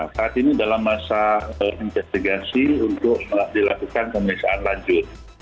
saat ini dalam masa investigasi untuk dilakukan pemeriksaan lanjut